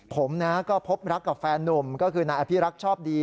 ผมก็พบรักกับแฟนนุ่มก็คือนายอภิรักษ์ชอบดี